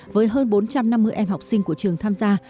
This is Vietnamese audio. với hơn bốn trăm năm mươi em học sinh của trường tham gia